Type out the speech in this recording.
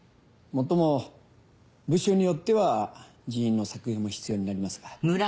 もっとも部署によっては人員の削減も必要になりますが。